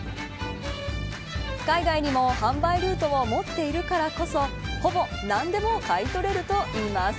海外にも販売ルートを持っているからこそほぼ何でも買い取れるといいます。